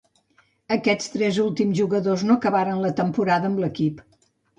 Aquests tres últims jugadors no acabaren la temporada amb l'equip.